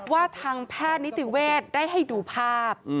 ว่าทางแพทย์นิติเวศได้ให้ดูภาพ